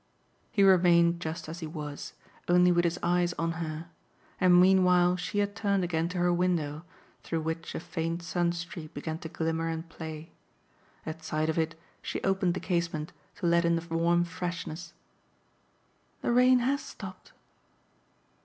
He remained just as he was, only with his eyes on her; and meanwhile she had turned again to her window, through which a faint sun streak began to glimmer and play. At sight of it she opened the casement to let in the warm freshness. "The rain HAS stopped."